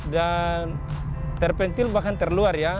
dan terpentil bahkan terluar ya